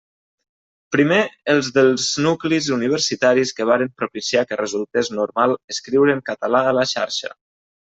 Primer els dels nuclis universitaris que varen propiciar que resultés normal escriure en català a la xarxa.